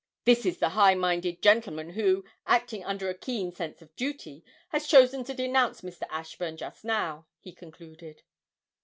'This is the high minded gentleman who, acting under a keen sense of duty, has chosen to denounce Mr. Ashburn just now,' he concluded.